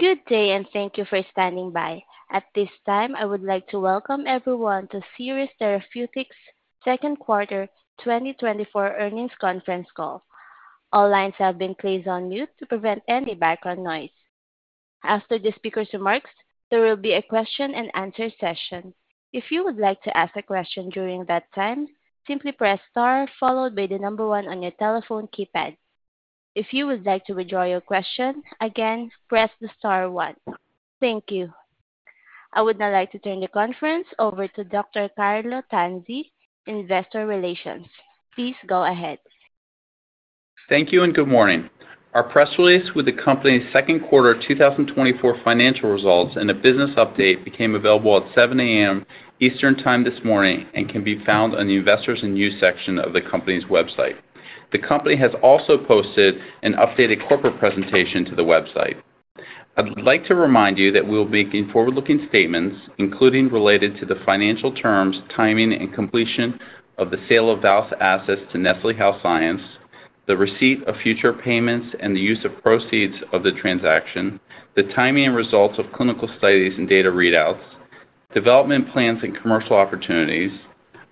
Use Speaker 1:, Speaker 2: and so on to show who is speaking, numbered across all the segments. Speaker 1: Good day and thank you for standing by. At this time, I would like to welcome everyone to Seres Therapeutics' second quarter 2024 earnings conference call. All lines have been placed on mute to prevent any background noise. After the speaker's remarks, there will be a question-and-answer session. If you would like to ask a question during that time, simply press star followed by the number one on your telephone keypad. If you would like to withdraw your question, again, press the star one. Thank you. I would now like to turn the conference over to Dr. Carlo Tanzi, Investor Relations. Please go ahead.
Speaker 2: Thank you and good morning. Our press release with the company's second quarter 2024 financial results and a business update became available at 7 A.M. Eastern Time this morning and can be found on the Investors and News section of the company's website. The company has also posted an updated corporate presentation to the website. I'd like to remind you that we'll be making forward-looking statements, including related to the financial terms, timing, and completion of the sale of VOWST assets to Nestlé Health Science, the receipt of future payments, and the use of proceeds of the transaction, the timing and results of clinical studies and data readouts, development plans and commercial opportunities,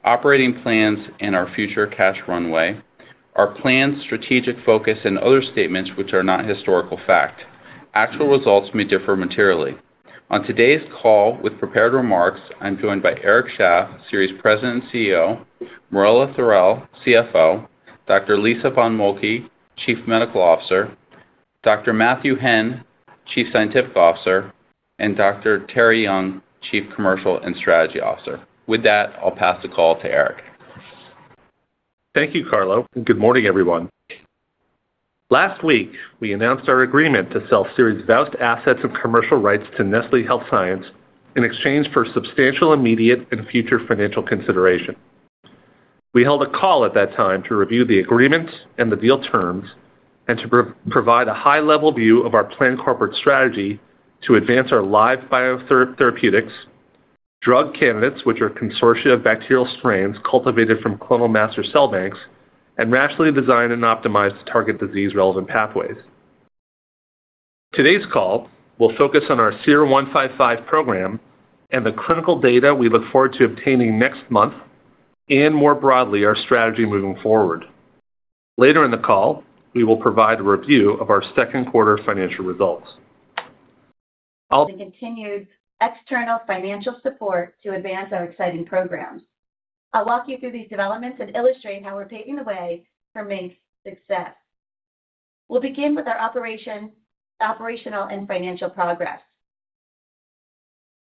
Speaker 2: operating plans and our future cash runway, our planned strategic focus and other statements which are not historical fact. Actual results may differ materially. On today's call with prepared remarks, I'm joined by Eric Shaff, Seres President and CEO, Marella Thorell, CFO, Dr. Lisa von Moltke, Chief Medical Officer, Dr. Matthew Henn, Chief Scientific Officer, and Dr. Terri Young, Chief Commercial and Strategy Officer. With that, I'll pass the call to Eric.
Speaker 3: Thank you, Carlo, and good morning, everyone. Last week, we announced our agreement to sell Seres' VOWST assets and commercial rights to Nestlé Health Science in exchange for substantial, immediate, and future financial consideration. We held a call at that time to review the agreements and the deal terms, and to provide a high-level view of our planned corporate strategy to advance our live biotherapeutics, drug candidates, which are a consortia of bacterial strains cultivated from clonal master cell banks and rationally designed and optimized to target disease-relevant pathways. Today's call will focus on our SER-155 program and the clinical data we look forward to obtaining next month and more broadly, our strategy moving forward. Later in the call, we will provide a review of our second quarter financial results....
Speaker 4: The continued external financial support to advance our exciting programs. I'll walk you through these developments and illustrate how we're paving the way for main success. We'll begin with our operational and financial progress.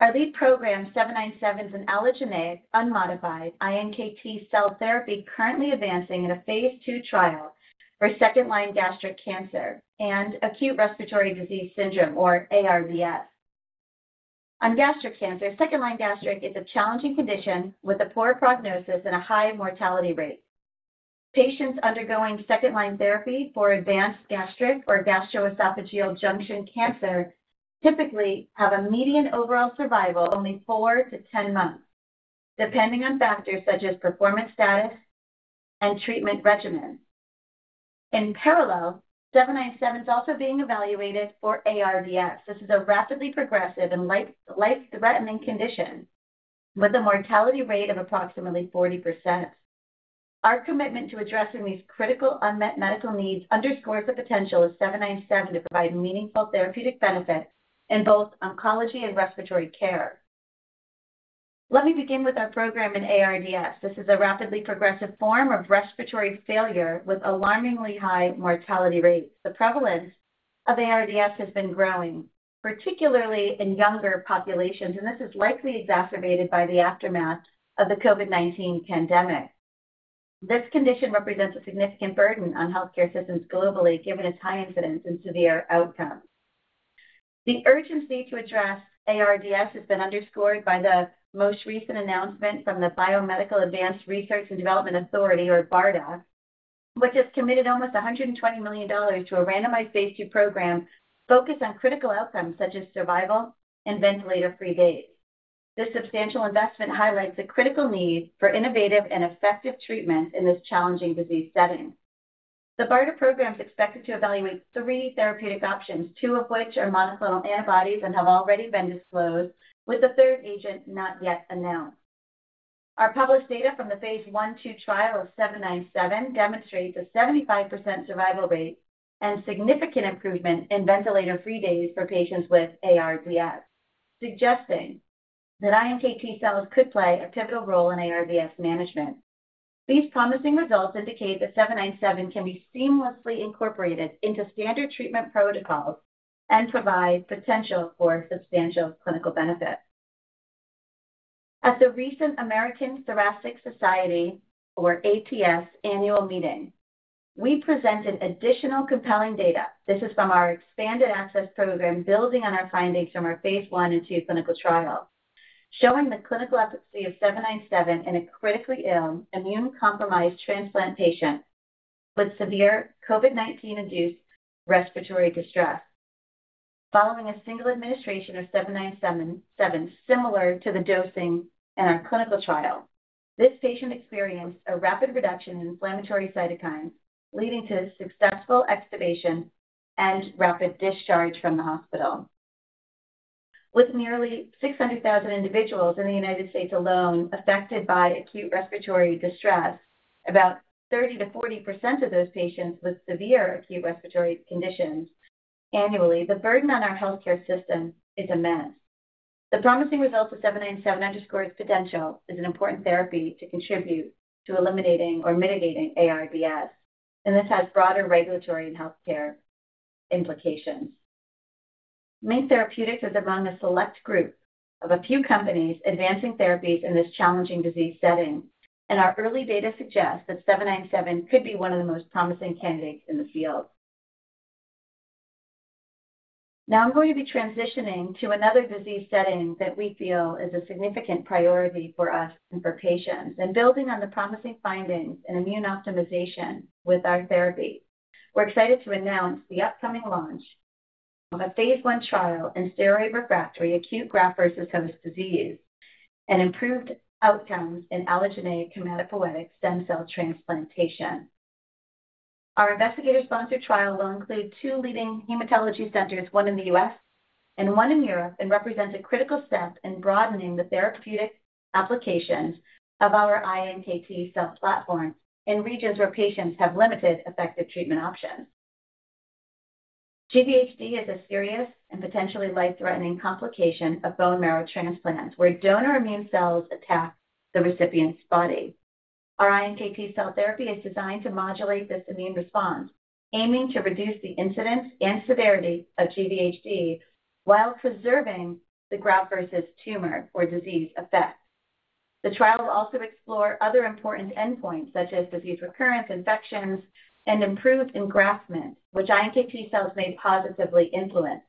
Speaker 4: Our lead program, 797, is an allogeneic, unmodified iNKT cell therapy currently advancing in a phase II trial for second-line gastric cancer and acute respiratory distress syndrome, or ARDS. On gastric cancer, second-line gastric is a challenging condition with a poor prognosis and a high mortality rate. Patients undergoing second-line therapy for advanced gastric or gastroesophageal junction cancer typically have a median overall survival only four to 10 months, depending on factors such as performance status and treatment regimen. In parallel, 797 is also being evaluated for ARDS. This is a rapidly progressive and life-threatening condition with a mortality rate of approximately 40%. Our commitment to addressing these critical unmet medical needs underscores the potential of 797 to provide meaningful therapeutic benefit in both oncology and respiratory care. Let me begin with our program in ARDS. This is a rapidly progressive form of respiratory failure with alarmingly high mortality rates. The prevalence of ARDS has been growing, particularly in younger populations, and this is likely exacerbated by the aftermath of the COVID-19 pandemic. This condition represents a significant burden on healthcare systems globally, given its high incidence and severe outcomes. The urgency to address ARDS has been underscored by the most recent announcement from the Biomedical Advanced Research and Development Authority (BARDA), which has committed almost $120 million to a randomized phase II program focused on critical outcomes such as survival and ventilator-free days. This substantial investment highlights the critical need for innovative and effective treatments in this challenging disease setting. The BARDA program is expected to evaluate three therapeutic options, two of which are monoclonal antibodies and have already been disclosed, with the third agent not yet announced. Our published data from the phase I/II trial of 797 demonstrates a 75% survival rate and significant improvement in ventilator-free days for patients with ARDS, suggesting that iNKT cells could play a pivotal role in ARDS management. These promising results indicate that 797 can be seamlessly incorporated into standard treatment protocols and provide potential for substantial clinical benefit. At the recent American Thoracic Society (ATS), annual meeting, we presented additional compelling data. This is from our expanded access program, building on our findings from our phase I and II clinical trials, showing the clinical efficacy of 797 in a critically ill, immunocompromised transplant patient with severe COVID-19-induced respiratory distress. Following a single administration of 797, similar to the dosing in our clinical trial. This patient experienced a rapid reduction in inflammatory cytokines, leading to successful extubation and rapid discharge from the hospital. With nearly 600,000 individuals in the United States alone affected by acute respiratory distress, about 30%-40% of those patients with severe acute respiratory conditions annually, the burden on our healthcare system is immense. The promising results of 797 underscores potential is an important therapy to contribute to eliminating or mitigating ARDS, and this has broader regulatory and healthcare implications. MiNK Therapeutics is among a select group of a few companies advancing therapies in this challenging disease setting, and our early data suggests that 797 could be one of the most promising candidates in the field. Now, I'm going to be transitioning to another disease setting that we feel is a significant priority for us and for patients, and building on the promising findings in immune optimization with our therapy. We're excited to announce the upcoming launch of a phase I trial in steroid-refractory acute Graft-versus-Host Disease and improved outcomes in allogeneic hematopoietic stem cell transplantation. Our investigator-sponsored trial will include two leading hematology centers, one in the U.S. and one in Europe, and represents a critical step in broadening the therapeutic applications of our iNKT cell platform in regions where patients have limited effective treatment options. GvHD is a serious and potentially life-threatening complication of bone marrow transplants, where donor immune cells attack the recipient's body. Our iNKT cell therapy is designed to modulate this immune response, aiming to reduce the incidence and severity of GvHD while preserving the graft versus tumor or disease effect. The trial will also explore other important endpoints, such as disease recurrence, infections, and improved engraftment, which iNKT cells may positively influence.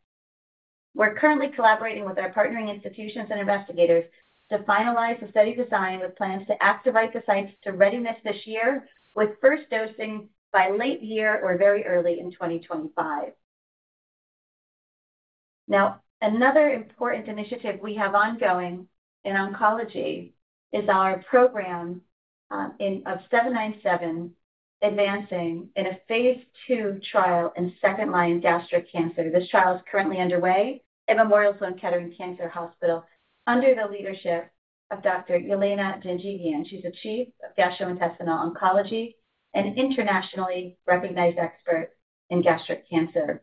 Speaker 4: We're currently collaborating with our partnering institutions and investigators to finalize the study design, with plans to activate the sites to readiness this year, with first dosing by late year or very early in 2025. Now, another important initiative we have ongoing in oncology is our program in 797, advancing in a phase II trial in second-line gastric cancer. This trial is currently underway at Memorial Sloan Kettering Cancer Center under the leadership of Dr. Yelena Janjigian. She's a Chief of Gastrointestinal Oncology and internationally recognized expert in gastric cancer.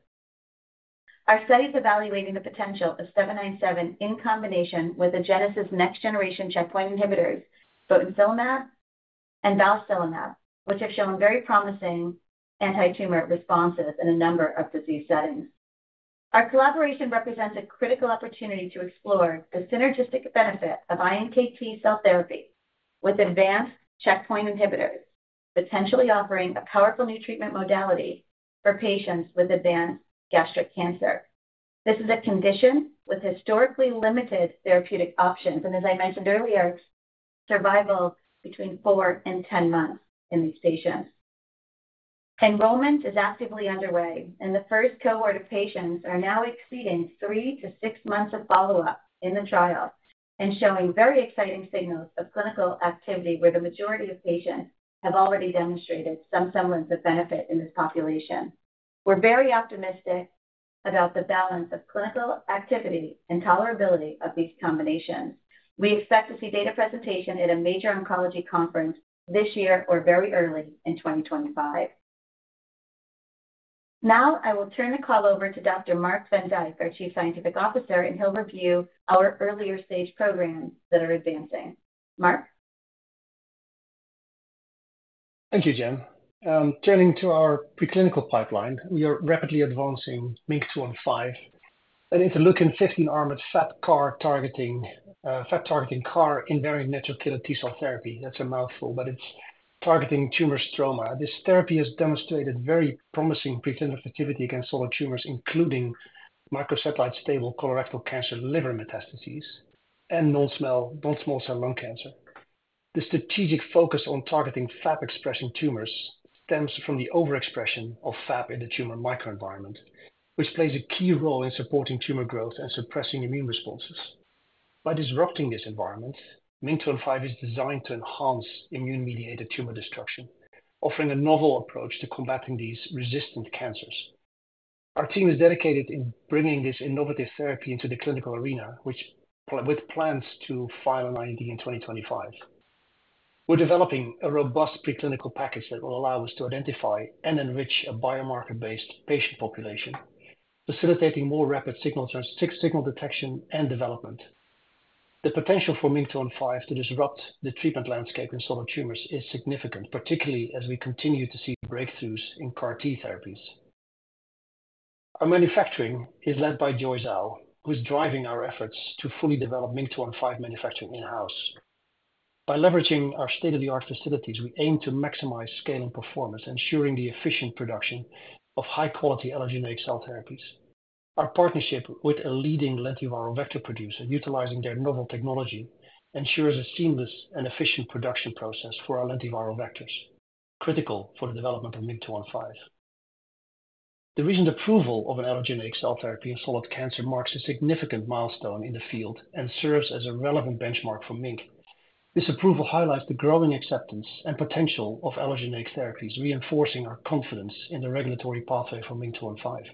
Speaker 4: Our study is evaluating the potential of 797 in combination with the Agenus next generation checkpoint inhibitors, botensilimab and balstilimab, which have shown very promising antitumor responses in a number of disease settings. Our collaboration represents a critical opportunity to explore the synergistic benefit of iNKT cell therapy with advanced checkpoint inhibitors, potentially offering a powerful new treatment modality for patients with advanced gastric cancer. This is a condition with historically limited therapeutic options, and as I mentioned earlier, survival between four and 10 months in these patients. Enrollment is actively underway, and the first cohort of patients are now exceeding three to six months of follow-up in the trial and showing very exciting signals of clinical activity, where the majority of patients have already demonstrated some semblance of benefit in this population. We're very optimistic about the balance of clinical activity and tolerability of these combinations. We expect to see data presentation at a major oncology conference this year or very early in 2025. Now, I will turn the call over to Dr. Marc van Dijk, our Chief Scientific Officer, and he'll review our earlier stage programs that are advancing. Marc?
Speaker 5: Thank you, Jen. Turning to our preclinical pipeline, we are rapidly advancing MiNK-215 and IL-15-armed FAP-targeting CAR-invariant natural killer T cell therapy. That's a mouthful, but it's targeting tumor stroma. This therapy has demonstrated very promising preclinical activity against solid tumors, including microsatellite stable colorectal cancer, liver metastases, and non-small cell lung cancer. The strategic focus on targeting FAP-expressing tumors stems from the overexpression of FAP in the tumor microenvironment, which plays a key role in supporting tumor growth and suppressing immune responses. By disrupting this environment, MiNK-215 is designed to enhance immune-mediated tumor destruction, offering a novel approach to combating these resistant cancers. Our team is dedicated in bringing this innovative therapy into the clinical arena, with plans to file an IND in 2025. We're developing a robust preclinical package that will allow us to identify and enrich a biomarker-based patient population, facilitating more rapid signal detection and development. The potential for MiNK-215 to disrupt the treatment landscape in solid tumors is significant, particularly as we continue to see breakthroughs in CAR T therapies. Our manufacturing is led by Joy Zhou, who's driving our efforts to fully develop MiNK-215 manufacturing in-house. By leveraging our state-of-the-art facilities, we aim to maximize scale and performance, ensuring the efficient production of high-quality allogeneic cell therapies. Our partnership with a leading lentiviral vector producer, utilizing their novel technology, ensures a seamless and efficient production process for our lentiviral vectors, critical for the development of MiNK-215. The recent approval of an allogeneic cell therapy in solid cancer marks a significant milestone in the field and serves as a relevant benchmark for MiNK. This approval highlights the growing acceptance and potential of allogeneic therapies, reinforcing our confidence in the regulatory pathway for MiNK-215.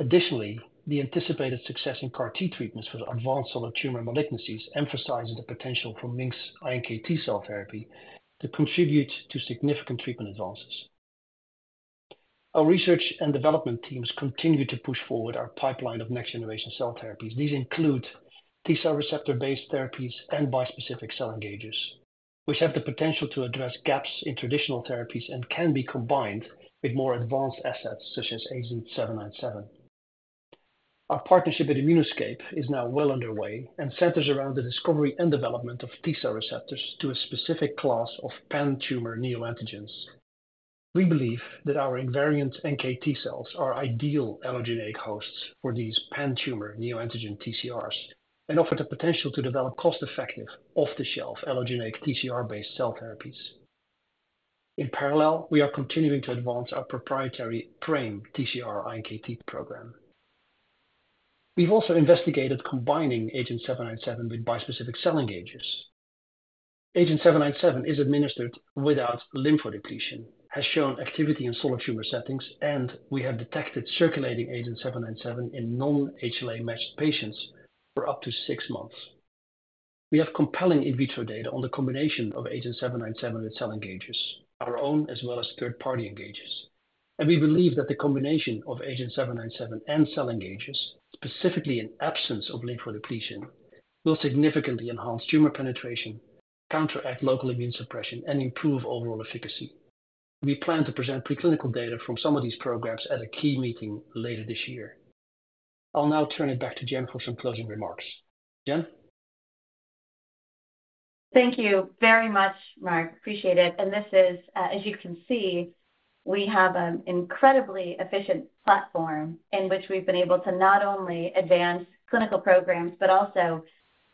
Speaker 5: Additionally, the anticipated success in CAR T treatments for the advanced solid tumor malignancies emphasizes the potential for MiNK's iNKT cell therapy to contribute to significant treatment advances. Our research and development teams continue to push forward our pipeline of next-generation cell therapies. These include T cell receptor-based therapies and bispecific cell engagers, which have the potential to address gaps in traditional therapies and can be combined with more advanced assets, such as agenT-797. Our partnership with ImmunoScape is now well underway and centers around the discovery and development of T cell receptors to a specific class of pan-tumor neoantigens. We believe that our invariant NKT cells are ideal allogeneic hosts for these pan-tumor neoantigen TCRs and offer the potential to develop cost-effective, off-the-shelf, allogeneic TCR-based cell therapies. In parallel, we are continuing to advance our proprietary PRAME TCR iNKT program. We've also investigated combining agenT-797 with bispecific cell engagers. agenT-797 is administered without lymphodepletion, has shown activity in solid tumor settings, and we have detected circulating agenT-797 in non-HLA-matched patients for up to six months. We have compelling in vitro data on the combination of agenT-797 with cell engagers, our own as well as third-party engagers. We believe that the combination of agenT-797 and cell engagers, specifically in absence of lymphodepletion, will significantly enhance tumor penetration, counteract local immune suppression, and improve overall efficacy. We plan to present preclinical data from some of these programs at a key meeting later this year. I'll now turn it back to Jen for some closing remarks. Jen?
Speaker 4: Thank you very much, Marc. Appreciate it. This is, as you can see, we have an incredibly efficient platform in which we've been able to not only advance clinical programs, but also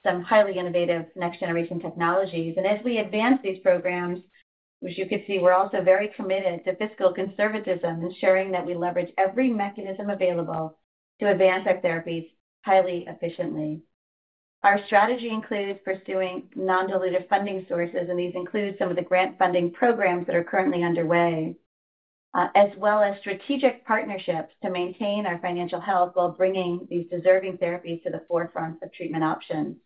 Speaker 4: some highly innovative next-generation technologies. As we advance these programs, which you can see, we're also very committed to fiscal conservatism ensuring that we leverage every mechanism available to advance our therapies highly efficiently. Our strategy includes pursuing non-dilutive funding sources, and these include some of the grant funding programs that are currently underway, as well as strategic partnerships to maintain our financial health while bringing these deserving therapies to the forefront of treatment options.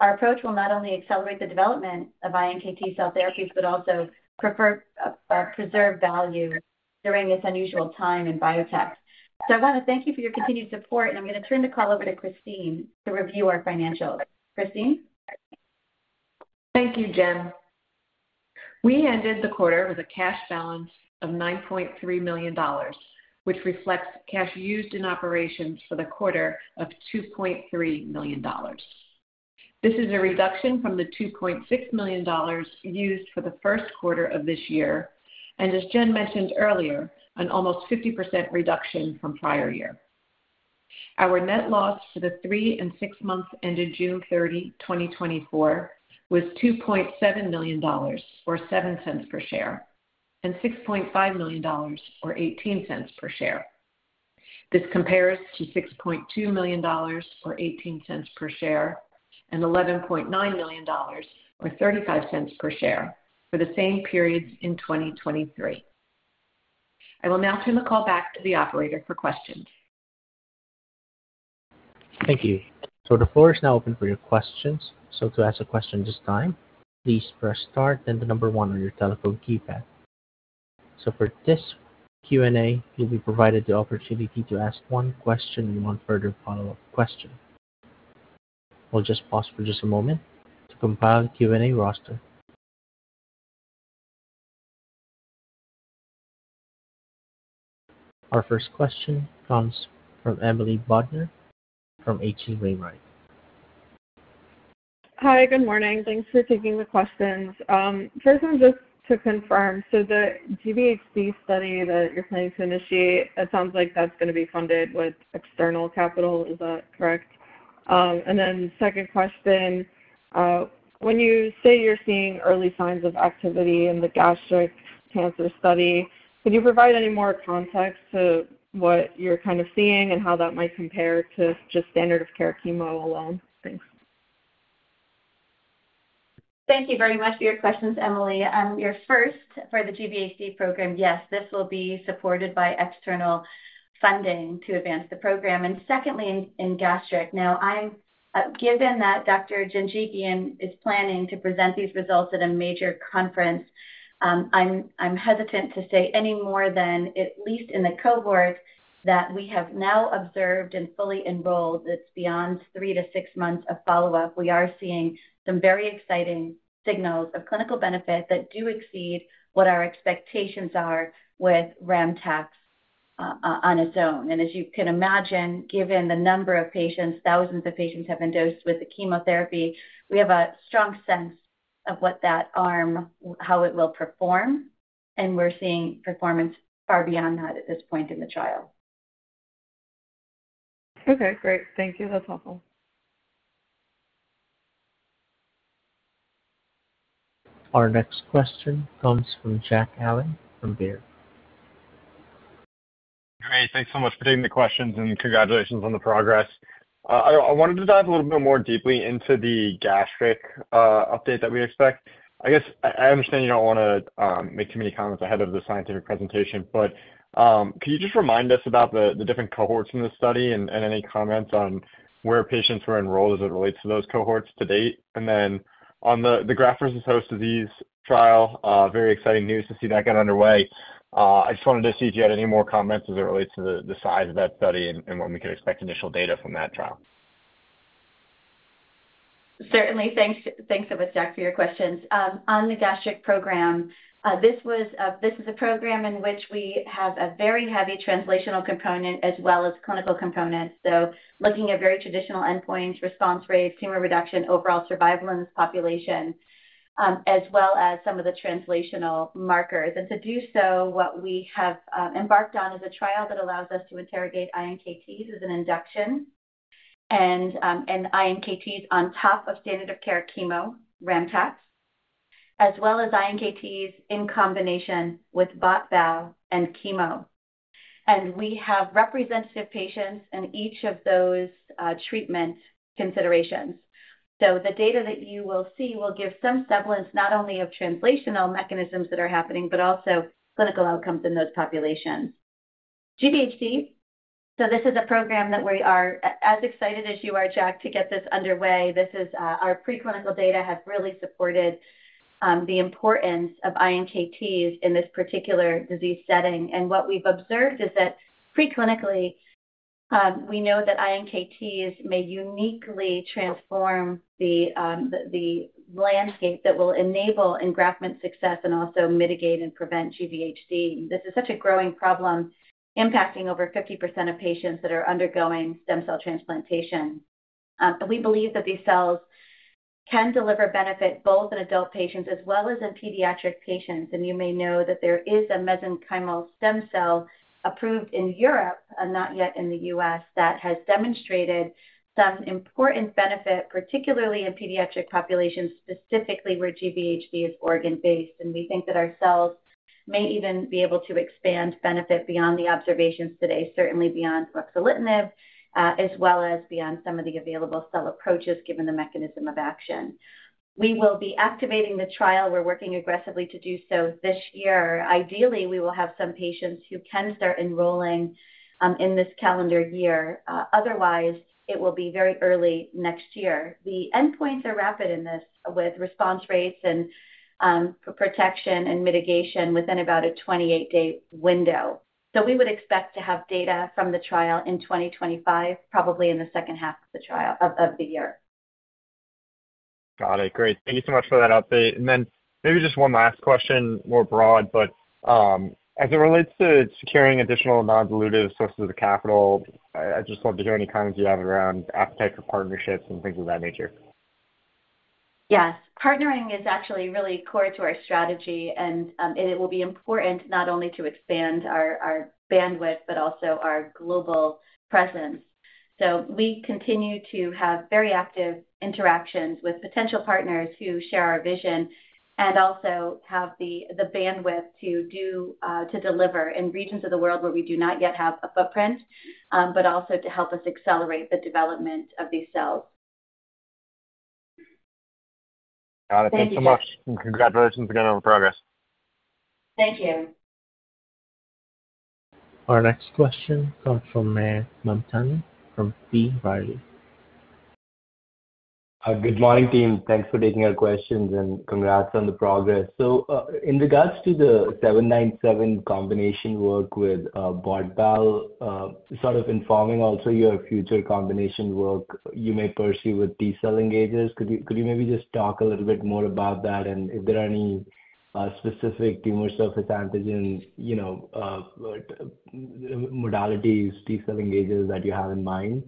Speaker 4: Our approach will not only accelerate the development of iNKT cell therapies, but also prefer, or preserve value during this unusual time in biotech. I want to thank you for your continued support, and I'm going to turn the call over to Christine to review our financials. Christine?
Speaker 6: Thank you, Jen. We ended the quarter with a cash balance of $9.3 million, which reflects cash used in operations for the quarter of $2.3 million. This is a reduction from the $2.6 million used for the first quarter of this year, and as Jen mentioned earlier, an almost 50% reduction from prior year. Our net loss for the three and six months ended June 30, 2024, was $2.7 million or $0.07 per share, and $6.5 million, or $0.18 per share. This compares to $6.2 million, or $0.18 per share, and $11.9 million, or 35 cents per share, for the same periods in 2023. I will now turn the call back to the operator for questions.
Speaker 1: Thank you. So the floor is now open for your questions. So to ask a question this time, please press star then the number one on your telephone keypad. So for this Q&A, you'll be provided the opportunity to ask one question and one further follow-up question. I'll just pause for just a moment to compile the Q&A roster. Our first question comes from Emily Bodnar from H.C. Wainwright.
Speaker 7: Hi, good morning. Thanks for taking the questions. First one, just to confirm, so the GvHD study that you're planning to initiate, it sounds like that's going to be funded with external capital. Is that correct? And then second question, when you say you're seeing early signs of activity in the gastric cancer study, can you provide any more context to what you're kind of seeing and how that might compare to just standard of care chemo alone? Thanks.
Speaker 4: Thank you very much for your questions, Emily. Your first for the GvHD program, yes, this will be supported by external funding to advance the program. And secondly, in gastric, now I'm given that Dr. Janjigian is planning to present these results at a major conference, I'm hesitant to say any more than, at least in the cohort, that we have now observed and fully enrolled. It's beyond three to six months of follow-up. We are seeing some very exciting signals of clinical benefit that do exceed what our expectations are with ram/tax on its own. And as you can imagine, given the number of patients, thousands of patients have been dosed with the chemotherapy, we have a strong sense of what that arm, how it will perform, and we're seeing performance far beyond that at this point in the trial.
Speaker 7: Okay, great. Thank you. That's helpful.
Speaker 1: Our next question comes from Jack Allen from Baird.
Speaker 8: Great! Thanks so much for taking the questions, and congratulations on the progress. I wanted to dive a little bit more deeply into the gastric update that we expect. I guess I understand you don't wanna make too many comments ahead of the scientific presentation, but could you just remind us about the different cohorts in this study and any comments on where patients were enrolled as it relates to those cohorts to date? And then on the graft-versus-host disease trial, very exciting news to see that get underway. I just wanted to see if you had any more comments as it relates to the size of that study and when we could expect initial data from that trial.
Speaker 4: Certainly. Thanks. Thanks for that, Jack, for your questions. On the gastric program, this was, this is a program in which we have a very heavy translational component as well as clinical component. So looking at very traditional endpoints, response rates, tumor reduction, overall survival in this population, as well as some of the translational markers. And to do so, what we have embarked on is a trial that allows us to interrogate iNKTs as an induction and, and iNKTs on top of standard of care chemo, ram/tax, as well as iNKTs in combination with bot/bal and chemo. And we have representative patients in each of those treatment considerations. So the data that you will see will give some semblance, not only of translational mechanisms that are happening, but also clinical outcomes in those populations. GvHD, so this is a program that we are as excited as you are, Jack, to get this underway. This is. Our preclinical data has really supported the importance of iNKTs in this particular disease setting. And what we've observed is that preclinically, we know that iNKTs may uniquely transform the landscape that will enable engraftment success and also mitigate and prevent GvHD. This is such a growing problem, impacting over 50% of patients that are undergoing stem cell transplantation. And we believe that these cells can deliver benefit both in adult patients as well as in pediatric patients. And you may know that there is a mesenchymal stem cell approved in Europe, and not yet in the U.S., that has demonstrated some important benefit, particularly in pediatric populations, specifically where GvHD is organ-based. We think that our cells may even be able to expand benefit beyond the observations today, certainly beyond ruxolitinib, as well as beyond some of the available cell approaches, given the mechanism of action. We will be activating the trial. We're working aggressively to do so this year. Ideally, we will have some patients who can start enrolling in this calendar year. Otherwise, it will be very early next year. The endpoints are rapid in this, with response rates and protection and mitigation within about a 28-day window. So we would expect to have data from the trial in 2025, probably in the second half of the year.
Speaker 8: Got it. Great. Thank you so much for that update. And then maybe just one last question, more broad, but, as it relates to securing additional non-dilutive sources of capital, I just wanted to hear any comments you have around appetite for partnerships and things of that nature.
Speaker 4: Yes. Partnering is actually really core to our strategy, and, it will be important not only to expand our, our bandwidth, but also our global presence. So we continue to have very active interactions with potential partners who share our vision and also have the, the bandwidth to do, to deliver in regions of the world where we do not yet have a footprint, but also to help us accelerate the development of these cells.
Speaker 8: Got it.
Speaker 4: Thank you, Jack.
Speaker 8: Thanks so much, and congratulations again on the progress.
Speaker 4: Thank you.
Speaker 1: Our next question comes from Mayank Mamtani from B. Riley.
Speaker 9: Good morning, team. Thanks for taking our questions, and congrats on the progress. So, in regards to the 797 combination work with bot/bal, sort of informing also your future combination work you may pursue with T-cell engagers, could you, could you maybe just talk a little bit more about that? And if there are any specific tumor surface antigens, you know, modalities, T-cell engagers that you have in mind?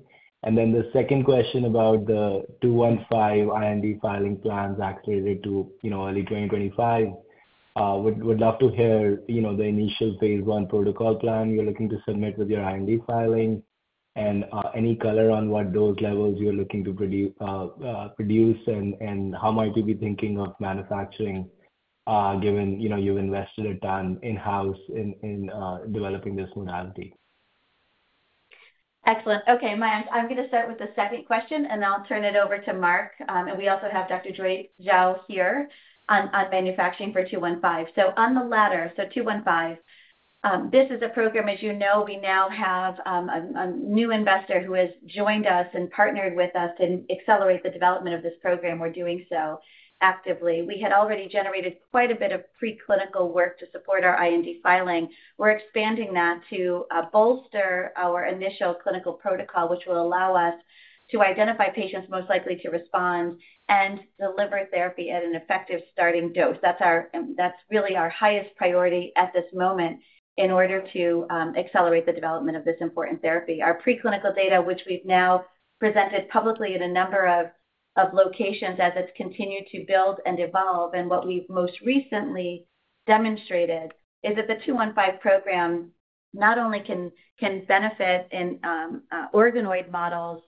Speaker 9: And then the second question about the 215 IND filing plans escalated to, you know, early 2025. Would love to hear, you know, the initial phase one protocol plan you're looking to submit with your IND filing. And any color on what dose levels you're looking to produce, and how might you be thinking of manufacturing, given, you know, you've invested a ton in-house in developing this modality?
Speaker 4: Excellent. Okay, Mayank, I'm gonna start with the second question, and then I'll turn it over to Marc. And we also have Dr. Joy Zhou here on manufacturing for MiNK-215. So on the latter, the 215, this is a program, as you know, we now have a new investor who has joined us and partnered with us to accelerate the development of this program. We're doing so actively. We had already generated quite a bit of preclinical work to support our IND filing. We're expanding that to bolster our initial clinical protocol, which will allow us to identify patients most likely to respond and deliver therapy at an effective starting dose. That's our – that's really our highest priority at this moment in order to accelerate the development of this important therapy. Our preclinical data, which we've now presented publicly in a number of locations as it's continued to build and evolve, and what we've most recently demonstrated is that the 215 program not only can benefit in organoid models,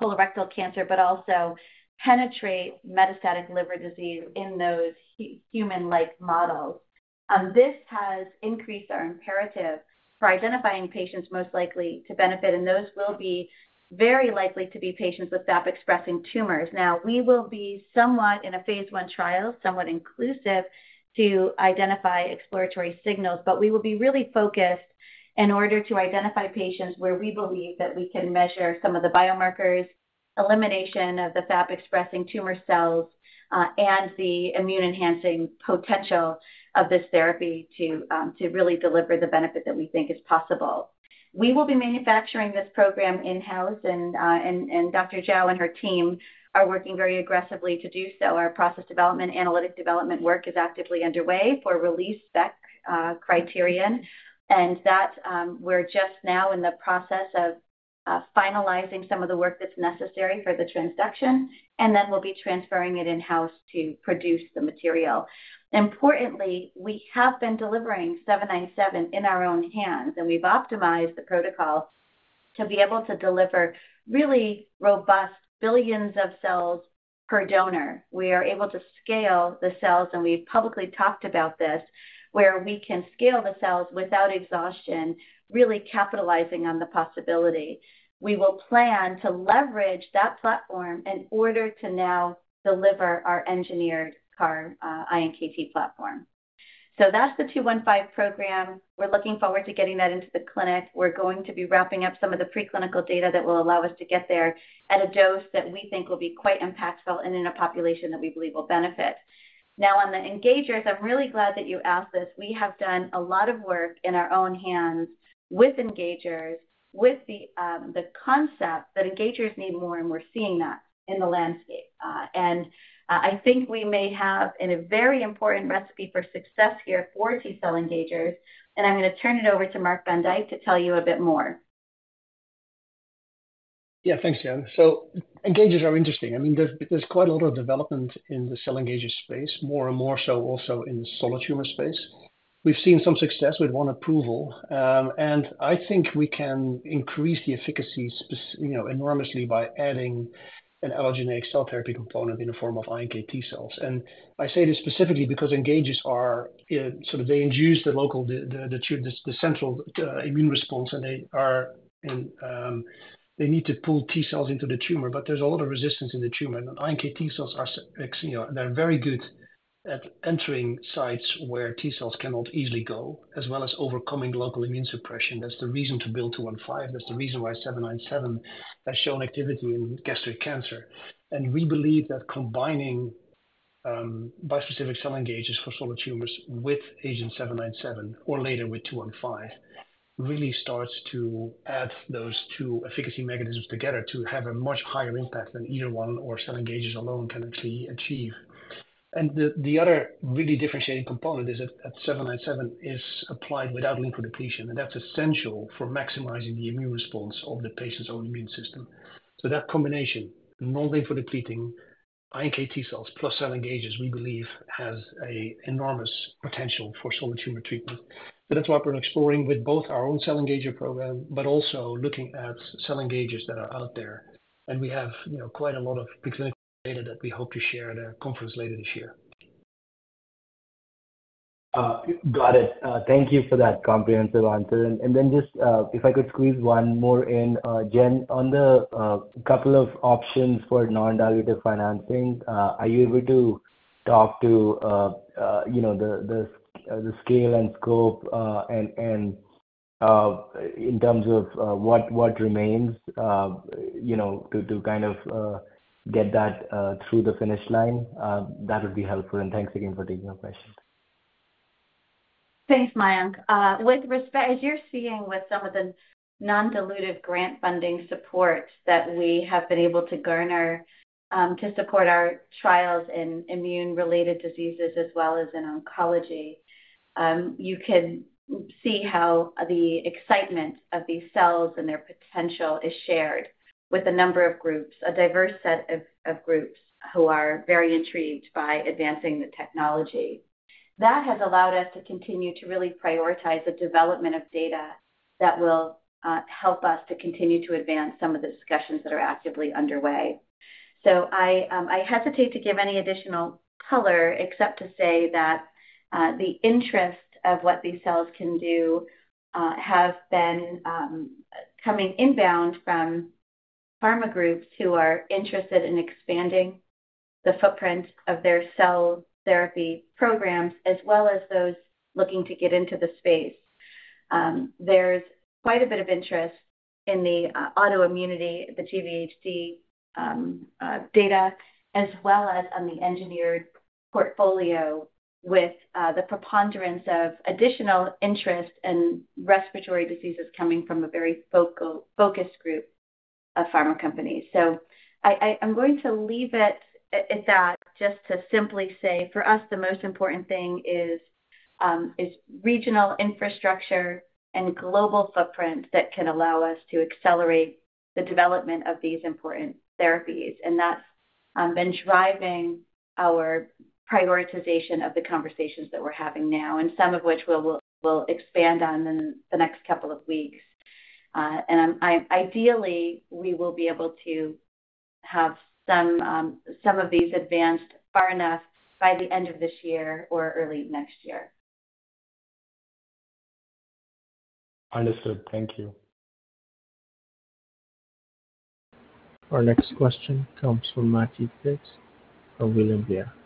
Speaker 4: colorectal cancer, but also penetrate metastatic liver disease in those human-like models. This has increased our imperative for identifying patients most likely to benefit, and those will be very likely to be patients with FAP-expressing tumors. Now, we will be somewhat in a phase one trial, somewhat inclusive, to identify exploratory signals, but we will be really focused in order to identify patients where we believe that we can measure some of the biomarkers, elimination of the FAP-expressing tumor cells, and the immune-enhancing potential of this therapy to really deliver the benefit that we think is possible. We will be manufacturing this program in-house, and Dr. Zhou and her team are working very aggressively to do so. Our process development, analytic development work is actively underway for release spec, criterion, and that, we're just now in the process of finalizing some of the work that's necessary for the transduction, and then we'll be transferring it in-house to produce the material. Importantly, we have been delivering 797 in our own hands, and we've optimized the protocol to be able to deliver really robust billions of cells per donor. We are able to scale the cells, and we've publicly talked about this, where we can scale the cells without exhaustion, really capitalizing on the possibility. We will plan to leverage that platform in order to now deliver our engineered CAR-iNKT platform. So that's the 215 program. We're looking forward to getting that into the clinic. We're going to be wrapping up some of the preclinical data that will allow us to get there at a dose that we think will be quite impactful and in a population that we believe will benefit. Now, on the engagers, I'm really glad that you asked this. We have done a lot of work in our own hands with engagers, with the concept that engagers need more, and we're seeing that in the landscape. I think we may have a very important recipe for success here for T cell engagers, and I'm gonna turn it over to Marc van Dijk to tell you a bit more.
Speaker 5: Yeah, thanks, Jen. Engagers are interesting. I mean, there's quite a lot of development in the cell engager space, more and more so also in the solid tumor space. We've seen some success with one approval, and I think we can increase the efficacy specifically, you know, enormously by adding an allogeneic cell therapy component in the form of iNKT cells. And I say this specifically because engagers are so they induce the local central immune response, and they need to pull T cells into the tumor, but there's a lot of resistance in the tumor. And iNKT cells are very good at entering sites where T cells cannot easily go, as well as overcoming local immune suppression. That's the reason to build MiNK-215. That's the reason why 797 has shown activity in gastric cancer. And we believe that combining bispecific cell engagers for solid tumors with agenT-797 or later with 215 really starts to add those two efficacy mechanisms together to have a much higher impact than either one or cell engagers alone can actually achieve. And the other really differentiating component is that 797 is applied without lymphodepletion, and that's essential for maximizing the immune response of the patient's own immune system. So that combination, no lymphodepleting iNKT cells plus cell engagers, we believe, has an enormous potential for solid tumor treatment. So that's why we're exploring with both our own cell engager program, but also looking at cell engagers that are out there. We have, you know, quite a lot of preclinical data that we hope to share at a conference later this year.
Speaker 9: Got it. Thank you for that comprehensive answer. And then just, if I could squeeze one more in, Jen, on the couple of options for non-dilutive financing, are you able to talk to, you know, the scale and scope, and in terms of what remains, you know, to kind of get that through the finish line? That would be helpful, and thanks again for taking our questions.
Speaker 4: Thanks, Mayank. With respect... As you're seeing with some of the non-dilutive grant funding support that we have been able to garner, to support our trials in immune-related diseases as well as in oncology, you can see how the excitement of these cells and their potential is shared with a number of groups, a diverse set of, of groups who are very intrigued by advancing the technology. That has allowed us to continue to really prioritize the development of data that will help us to continue to advance some of the discussions that are actively underway. So I hesitate to give any additional color, except to say that the interest of what these cells can do have been coming inbound from pharma groups who are interested in expanding the footprint of their cell therapy programs, as well as those looking to get into the space. There's quite a bit of interest in the autoimmunity, the GvHD data, as well as on the engineered portfolio with the preponderance of additional interest in respiratory diseases coming from a very focused group of pharma companies. So I'm going to leave it at that, just to simply say, for us, the most important thing is regional infrastructure and global footprint that can allow us to accelerate the development of these important therapies, and that's been driving our prioritization of the conversations that we're having now, and some of which we'll expand on in the next couple of weeks. And, ideally, we will be able to have some of these advanced far enough by the end of this year or early next year.
Speaker 9: Understood. Thank you.
Speaker 1: Our next question comes from Matthew Phipps of William Blair.
Speaker 10: Hi.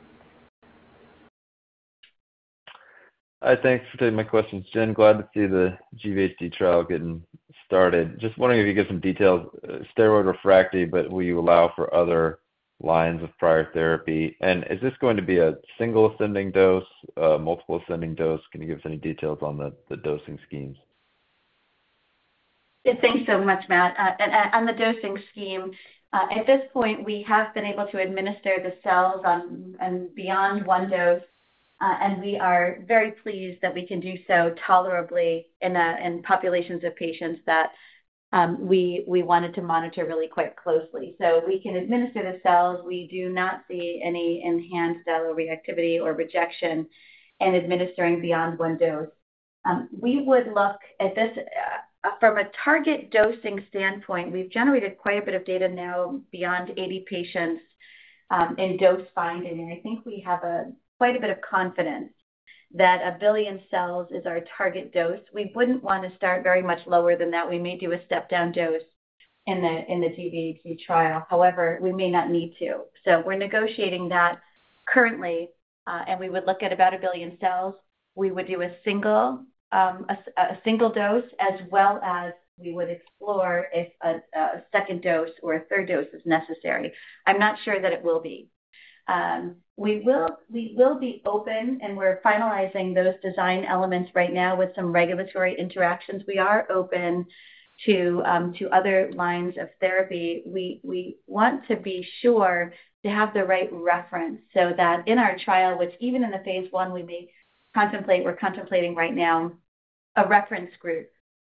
Speaker 10: Thanks for taking my questions, Jen. Glad to see the GvHD trial getting started. Just wondering if you could give some details, steroid refractory, but will you allow for other lines of prior therapy? And is this going to be a single ascending dose, multiple ascending dose? Can you give us any details on the, the dosing schemes?
Speaker 4: Yeah, thanks so much, Matt. And on the dosing scheme, at this point, we have been able to administer the cells on and beyond one dose, and we are very pleased that we can do so tolerably in populations of patients that we wanted to monitor really quite closely. So we can administer the cells. We do not see any enhanced cellular reactivity or rejection in administering beyond one dose. We would look at this from a target dosing standpoint. We've generated quite a bit of data now beyond 80 patients in dose finding, and I think we have quite a bit of confidence that a billion cells is our target dose. We wouldn't want to start very much lower than that. We may do a step-down dose in the GvHD trial. However, we may not need to. So we're negotiating that currently, and we would look at about 1 billion cells. We would do a single dose, as well as we would explore if a second dose or a third dose is necessary. I'm not sure that it will be. We will be open, and we're finalizing those design elements right now with some regulatory interactions. We are open to other lines of therapy. We want to be sure to have the right reference, so that in our trial, which even in the phase I, we may contemplate, we're contemplating right now a reference group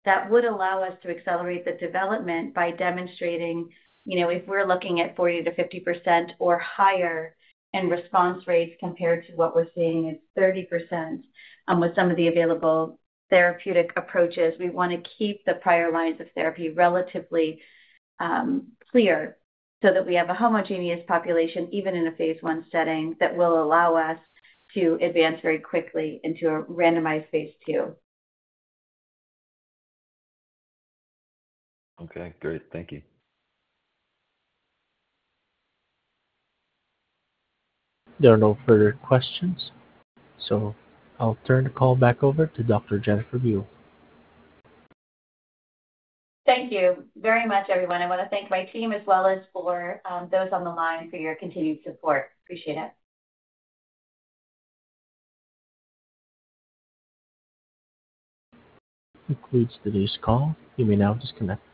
Speaker 4: that would allow us to accelerate the development by demonstrating, you know, if we're looking at 40%-50% or higher in response rates compared to what we're seeing is 30%, with some of the available therapeutic approaches. We want to keep the prior lines of therapy relatively clear, so that we have a homogeneous population, even in a phase I setting, that will allow us to advance very quickly into a randomized phase II.
Speaker 10: Okay, great. Thank you.
Speaker 1: There are no further questions, so I'll turn the call back over to Dr. Jennifer Buell.
Speaker 4: Thank you very much, everyone. I want to thank my team as well as for those on the line for your continued support. Appreciate it.
Speaker 1: Concludes today's call. You may now disconnect.